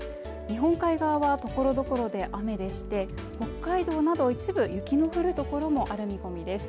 日本海側はところどころで雨でして北海道など一部雪の降る所もある見込みです